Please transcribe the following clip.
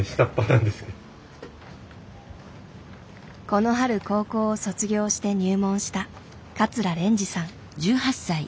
この春高校を卒業して入門した桂れん児さん。